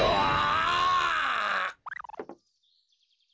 あ。